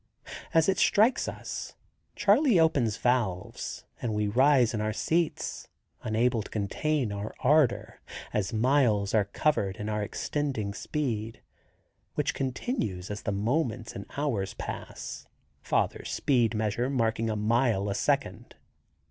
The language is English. As it strikes us Charley opens valves and we all rise in our seats, unable to contain our ardor, as miles are covered in our exceeding speed, which continues as the moments and hours pass, father's speed measure marking a mile a second.